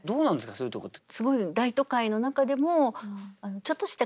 そういうとこって。